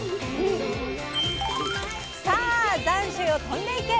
さあ残暑よ飛んでいけ！